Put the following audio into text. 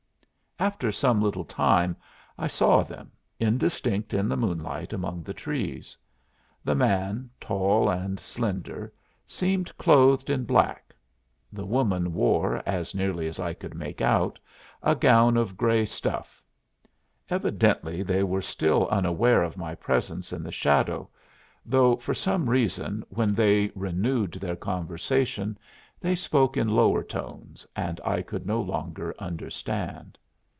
After some little time I saw them, indistinct in the moonlight among the trees. The man, tall and slender, seemed clothed in black; the woman wore, as nearly as I could make out, a gown of gray stuff. Evidently they were still unaware of my presence in the shadow, though for some reason when they renewed their conversation they spoke in lower tones and I could no longer understand.